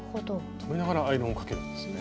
留めながらアイロンをかけるんですね。